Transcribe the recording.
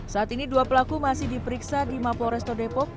saat ini dua pelaku masih diperiksa di mapo resto depok